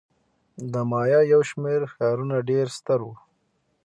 د مایا یو شمېر ښارونه ډېر ستر وو.